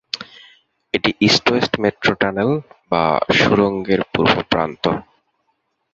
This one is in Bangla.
এটি ইস্ট ওয়েস্ট মেট্রো টানেল বা সুড়ঙ্গের পূর্ব প্রান্ত।